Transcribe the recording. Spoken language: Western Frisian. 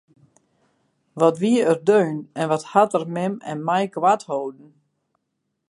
Wat wie er deun en wat hat er mem en my koart holden!